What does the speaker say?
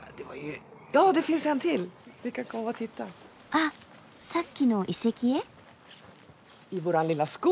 あっさっきの遺跡へ？